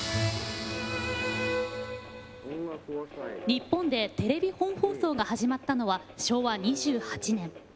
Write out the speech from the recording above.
日本でテレビ本放送が始まったのは昭和２８年。